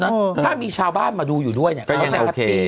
ถ้ามีชาวบ้านมาดูอยู่ด้วยเนี่ยก็จะแฮปปี้